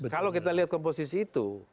kalau kita lihat komposisi itu